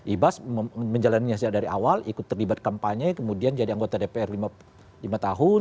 ibas menjalinnya sejak dari awal ikut terlibat kampanye kemudian jadi anggota dpr lima tahun